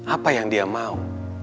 apa yang dia mau